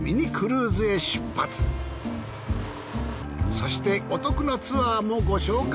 そしてお得なツアーもご紹介！